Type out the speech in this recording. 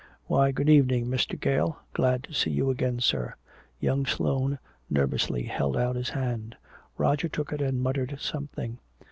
"Why, good evening, Mr. Gale glad to see you again, sir!" Young Sloane nervously held out his hand. Roger took it and muttered something.